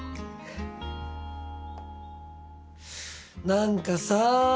何かさぁ。